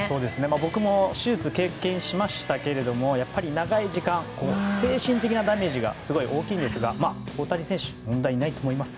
僕も手術は経験しましたがやっぱり長い時間精神的なダメージがすごい大きいんですが大谷選手、問題ないと思います。